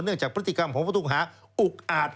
จากพฤติกรรมของผู้ต้องหาอุกอาจ